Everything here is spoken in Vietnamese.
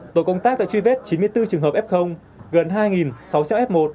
tổ công tác đã truy vết chín mươi bốn trường hợp f gần hai sáu trăm linh f một